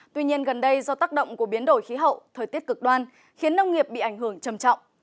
tuy nhiên gần đây do tác động của biến đổi khí hậu thời tiết cực đoan khiến nông nghiệp bị ảnh hưởng trầm trọng